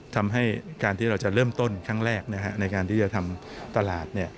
ทำให้การที่เราจะเริ่มต้นครั้งแรกในการที่จะทำตลาด